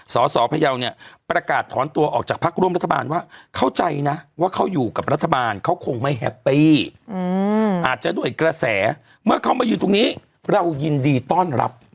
สพยาวเนี่ยประกาศถอนตัวออกจากพักร่วมรัฐบาลว่าเข้าใจนะว่าเขาอยู่กับรัฐบาลเขาคงไม่แฮปปี้อาจจะด้วยกระแสเมื่อเขามายืนตรงนี้เรายินดีต้อนรับ